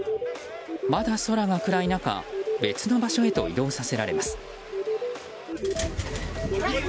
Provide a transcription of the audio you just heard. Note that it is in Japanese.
まだ空が暗い中別の場所へと移動させられます。